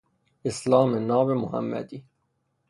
اسلام ناب محمدی